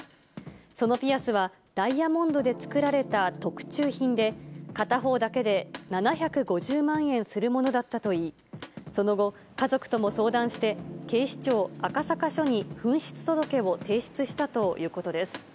そのピアスは、ダイヤモンドで作られた特注品で、片方だけで７５０万円するものだったといい、その後、家族とも相談して、警視庁赤坂署に紛失届を提出したということです。